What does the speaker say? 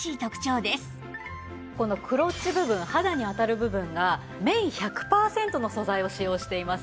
このクロッチ部分肌に当たる部分が綿１００パーセントの素材を使用しています。